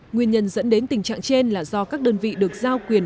mua thiết bị của các bệnh nhân